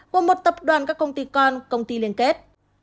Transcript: của một tập đoàn các công ty con công ty liên kết